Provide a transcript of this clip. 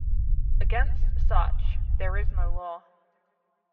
Against such there is no law.